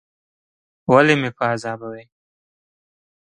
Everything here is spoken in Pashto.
ولي مې په عذابوې ؟